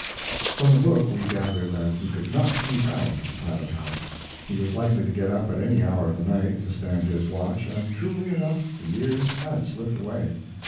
From the book we gather that he could not keep out of the pilot house. He was likely to get up at any hour of the night to stand his watch, and truly enough the years had slipped away.